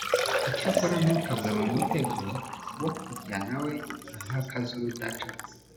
Icyakora ntukagwe mu mutego wo kujya na we impaka z’urudaca